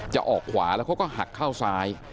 ออกขวาแล้วเขาก็หักเข้าซ้าย